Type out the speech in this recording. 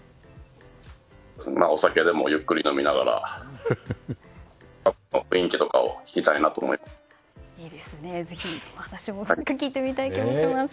お酒でもゆっくり飲みながら雰囲気とかを聞きたいと思います。